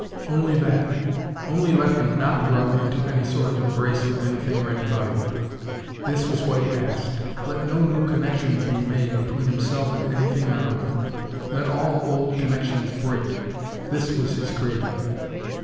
Only that. Only let him not run into any sort of embrace with anything or anybody this was what he asked. Let no new connection be made between himself and anything on earth. Let all old connections break. This was his craving.